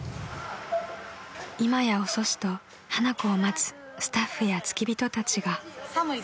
［今や遅しと花子を待つスタッフや付き人たちが］寒い？